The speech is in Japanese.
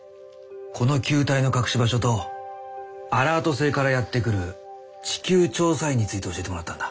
この球体の隠し場所とアラート星からやってくる地球調査員について教えてもらったんだ。